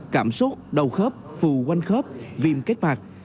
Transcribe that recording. cảm xúc đầu khớp phù quanh khớp viêm kết mạc